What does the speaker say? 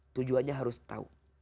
tujuannya harus tahu